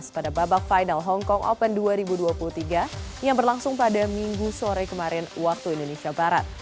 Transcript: pada babak final hongkong open dua ribu dua puluh tiga yang berlangsung pada minggu sore kemarin waktu indonesia barat